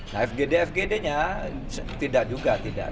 nah fgd fgd nya tidak juga